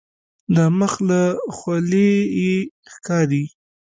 د مخ له خولیې یې ښکاري.